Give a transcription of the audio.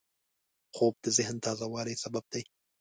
خوب د ذهن تازه والي سبب دی